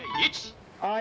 はい。